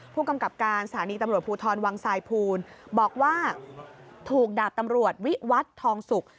ผู้กำกับการสหรี่ตำรวจภูทรวางไซพูนบอกว่าถูกดาดตำรวจวิวัฒท์ทองศุค